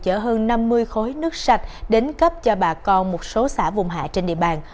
chở hơn năm mươi khối nước sạch đến cấp cho bà con một số xã vùng hạ trên địa bàn